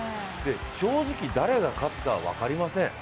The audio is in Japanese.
正直、誰が勝つか分かりません。